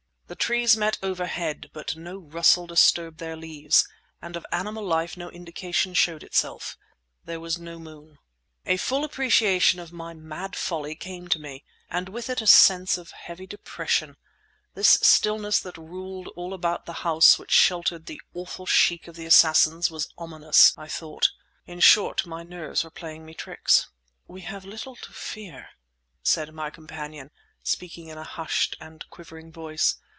The trees met overhead, but no rustle disturbed their leaves and of animal life no indication showed itself. There was no moon. A full appreciation of my mad folly came to me, and with it a sense of heavy depression. This stillness that ruled all about the house which sheltered the awful Sheikh of the Assassins was ominous, I thought. In short, my nerves were playing me tricks. "We have little to fear," said my companion, speaking in a hushed and quivering voice.